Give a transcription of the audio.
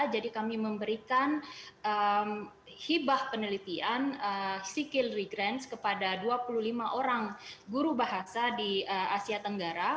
jadi kami memberikan hibah penelitian sikil regrance kepada dua puluh lima orang guru bahasa di asia tenggara